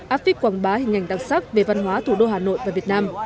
áp phích quảng bá hình ảnh đặc sắc về văn hóa thủ đô hà nội và việt nam